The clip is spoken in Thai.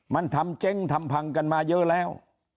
มันทำเจ๊งทำพังกันมาเยอะแล้ว